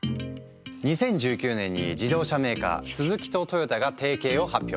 ２０１９年に自動車メーカースズキとトヨタが提携を発表。